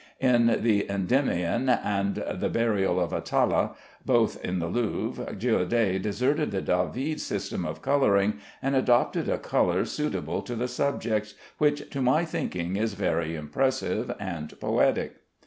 In the "Endymion" and the "Burial of Atala," both at the Louvre, Girodet deserted the David system of coloring and adopted a color suitable to the subjects, which to my thinking is very impressive and poetic.